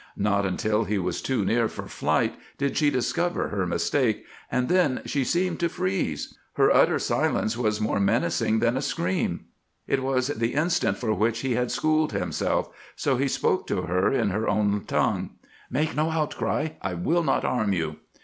Not until he was too near for flight did she discover her mistake, and then she seemed to freeze. Her utter silence was more menacing than a scream. It was the instant for which he had schooled himself, so he spoke to her in her own tongue. "Make no outcry! I will not harm you."